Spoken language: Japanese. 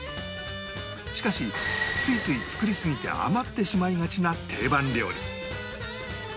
しかしついつい作りすぎて余ってしまいがちな定番料理